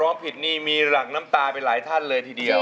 ร้องผิดนี่มีหลังน้ำตาไปหลายท่านเลยทีเดียว